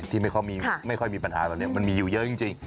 ที่ไม่ค่อยมีปัญหาแบบนี้มันมีอยู่เยอะจริง